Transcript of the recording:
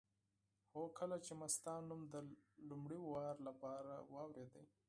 هو کله چې ما ستا نوم د لومړي ځل لپاره واورېده.